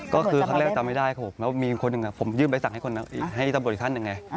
ก็คือครั้งแรกจำไม่ได้ถูกแล้วมีคนหนึ่งผมยื่นใบสั่งให้ตำรวจอีกท่านหนึ่งไง